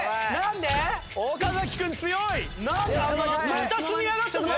また積み上がったぞ！